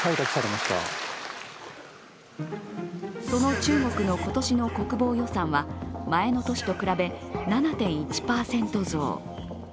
その中国の今年の国防予算は前の年と比べ７．１％増。